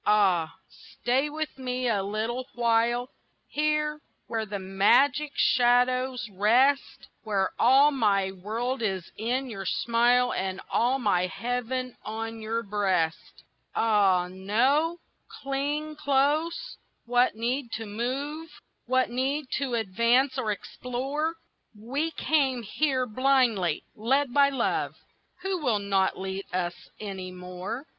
Ah, stay with me a little while Here, where the magic shadows rest, Where all my world is in your smile And all my heaven on your breast. Ah no! cling close, what need to move, What need to advance or explore? We came here blindly, led by love, Who will not lead us any more.